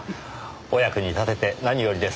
お役に立てて何よりです。